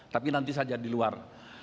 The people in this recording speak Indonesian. tapi nanti saja di luar